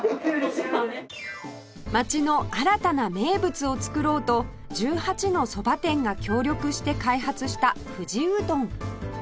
街の新たな名物を作ろうと１８の蕎麦店が協力して開発した藤うどん